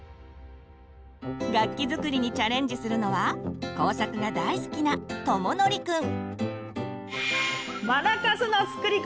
楽器作りにチャレンジするのは工作が大好きなとものりくん。